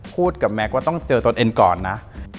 พูดกับแม็กซ์ว่าต้องเจอตนเองก่อนนะ